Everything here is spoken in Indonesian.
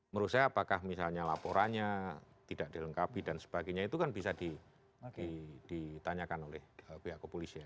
menurut saya apakah misalnya laporannya tidak dilengkapi dan sebagainya itu kan bisa ditanyakan oleh pihak kepolisian